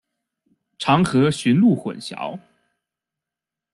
常和驯鹿混淆。